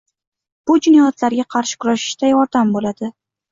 Bu jinoyatlarga qarshi kurashishda yordam bo‘ladi.